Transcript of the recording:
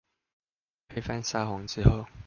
推翻沙皇之後